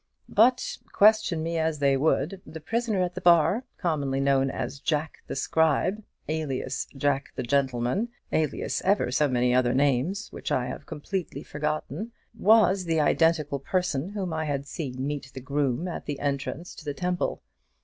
But question me as they would, the prisoner at the bar, commonly known as Jack the Scribe, alias Jack the Gentleman, alias ever so many other names, which I have completely forgotten, was the identical person whom I had seen meet the groom at the entrance to the Temple.